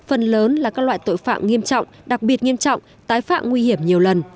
phần lớn là các loại tội phạm nghiêm trọng đặc biệt nghiêm trọng tái phạm nguy hiểm nhiều lần